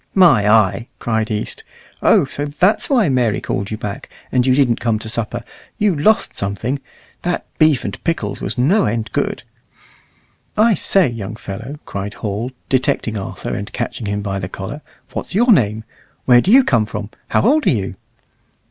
"My eye!" cried East, "Oh! so that's why Mary called you back, and you didn't come to supper. You lost something. That beef and pickles was no end good." "I say, young fellow," cried Hall, detecting Arthur and catching him by the collar, "what's your name? Where do you come from? How old are you?"